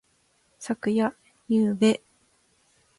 昨夜。ゆうべ。